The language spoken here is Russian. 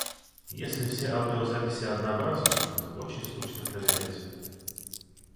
Если все аудиозаписи однообразны, их очень скучно проверять.